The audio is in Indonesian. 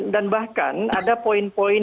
dan bahkan ada poin poin